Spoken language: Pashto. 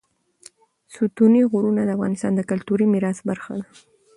ستوني غرونه د افغانستان د کلتوري میراث برخه ده.